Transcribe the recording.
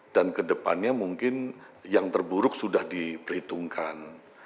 dan kedepannya mungkin yang terburuk sudah diperhitungkan